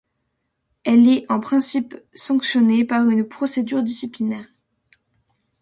Elle est en principe sanctionnée par une procédure disciplinaire.